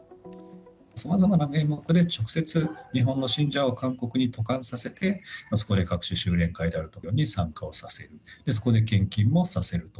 さまざまな名目で直接、日本の信者を韓国に渡韓させて、そこで各種、修練会であるとかに参加をさせる、そこで献金もさせると。